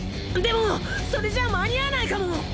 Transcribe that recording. でもそれじゃ間に合わないかも。